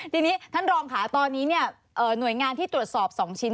ทีนี้ท่านรองค่ะตอนนี้หน่วยงานที่ตรวจสอบ๒ชิ้น